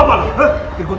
nina rela gak cukup